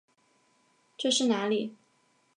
这是哪里？